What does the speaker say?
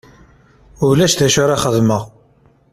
Ulac d acu ara xedmeɣ.